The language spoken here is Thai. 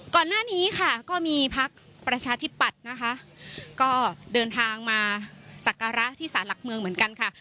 ก่อนหน้านี้ค่ะก็มีพักประชาธิปัตย์นะคะก็เดินทางมาสักการะที่สารหลักเมืองเหมือนกันค่ะ